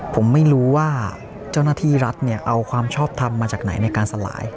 ผมไม่รู้ว่าเจ้าหน้าที่รัฐเอาความชอบทำมาจากไหนในการสลาย